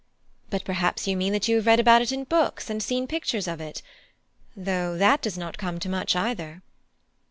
But perhaps you mean that you have read about it in books, and seen pictures of it? though that does not come to much, either."